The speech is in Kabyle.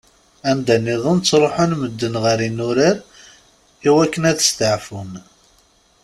Anda-nniḍen ttruḥun medden ɣer yinurar i wakken ad steɛfun.